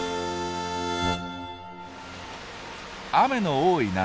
雨の多い夏。